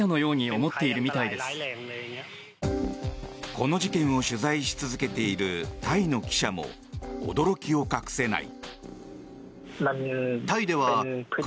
この事件を取材し続けているタイの記者も驚きを隠せない。